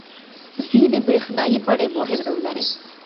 ځینې برېښنايي بڼې مهم رول لري.